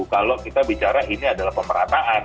kalau kita bicara ini adalah pemerataan